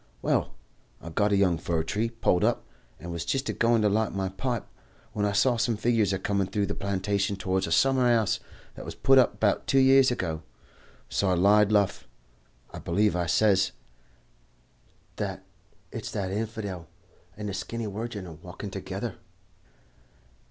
Well, I got a young fir tree pulled up, and was jist a going to light my pipe, when I see some figures a comin' threw the plantation towards a summer 'ouse that was put up 'bout two year ago. So I lied luff. 'I believe,' I says, 'that it's that hinfidel and the skinny wirgin a walkin' together.'